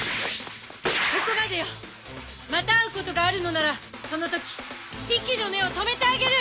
ここまでよ。また会うことがあるのならそのとき息の根を止めてあげる。